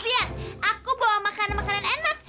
lihat aku bawa makanan makanan enak